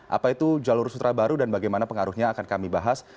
apa itu jalur sutra baru dan bagaimana pengaruhnya akan kami bahas